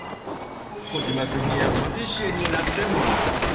コジマくんにはパティシエになってもらおう！